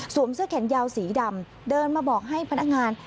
เสื้อแขนยาวสีดำเดินมาบอกให้พนักงาน